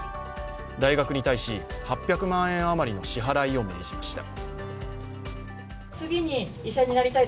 大学に対し、８００万円余りの支払いを命じました。